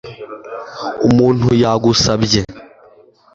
Umuntu yagusabye